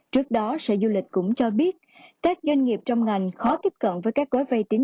trước đó sở du lịch cũng cho biết các doanh nghiệp trong ngành khó tiếp cận với các gói vay tín